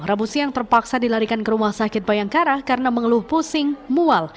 rabu siang terpaksa dilarikan ke rumah sakit bayangkara karena mengeluh pusing mual